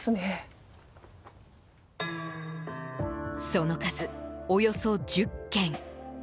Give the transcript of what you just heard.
その数、およそ１０軒。